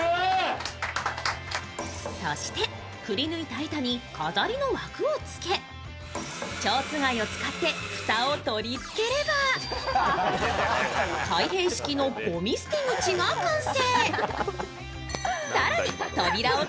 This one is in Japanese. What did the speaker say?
くり抜いた板に飾りの枠をつけ、蝶番を使って蓋を取り付ければ、開閉式のゴミ捨て口が完成。